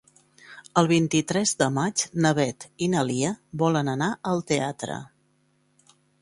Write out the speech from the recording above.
El vint-i-tres de maig na Beth i na Lia volen anar al teatre.